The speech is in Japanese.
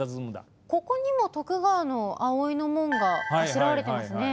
ここにも徳川の葵の紋があしらわれてますね。